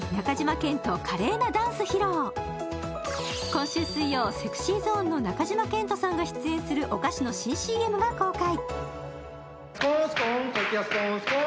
今週水曜、ＳｅｘｙＺｏｎｅの中島健人さんが出演するお菓子の新ＣＭが公開。